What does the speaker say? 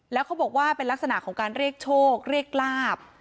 แล้วเขาบอกว่าเป็นลักษณะของการเรียกโชคเรียกลาบ